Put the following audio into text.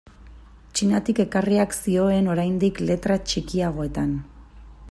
Txinatik ekarriak zioen oraindik letra txikiagoetan.